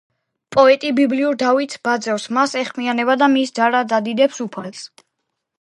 პოეტი ბიბლიურ დავითს ბაძავს, მას ეხმიანება და მის დარად ადიდებს უფალს.